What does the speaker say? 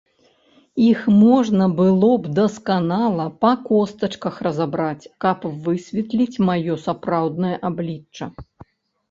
Іх можна было б дасканала, па костачках, разабраць, каб высветліць маё сапраўднае аблічча.